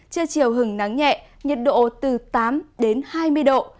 trưa chiều hứng nắng nhẹ nhiệt độ từ tám đến hai mươi độ